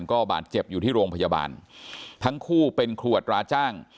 ก็บาดเจ็บอยู่ที่โรงพยาบาลทั้งคู่เป็นครัวตราจ้าง